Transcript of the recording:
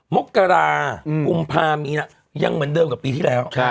มกรากุมภามีนะยังเหมือนเดิมกับปีที่แล้ว